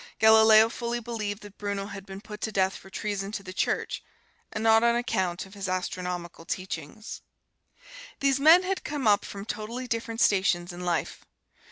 Galileo fully believed that Bruno had been put to death for treason to the Church, and not on account of his astronomical teachings. These men had come up from totally different stations in life.